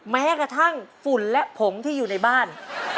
แม้กระทั่งฝุ่นและผงที่อยู่ในบ้าน